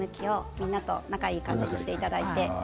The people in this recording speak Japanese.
みんなと仲いい感じにしていただいて。